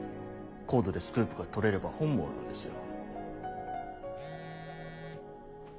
ＣＯＤＥでスクープが取れれば本望なんですよ。